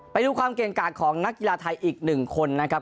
ไปดูความเก่งกาดของนักกีฬาไทยอีกหนึ่งคนนะครับ